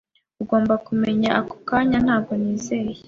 Ugomba kumenya ako kanya ntabwo nizeye.